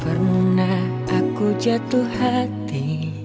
pernah aku jatuh hati